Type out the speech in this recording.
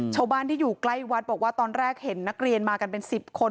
ชาวบ้านที่อยู่ใกล้วัดบอกว่าตอนแรกเห็นนักเรียนมากันเป็น๑๐คน